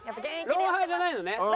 『ロンハー』じゃない。